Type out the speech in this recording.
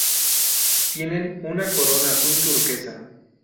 Tienen una corona azul turquesa.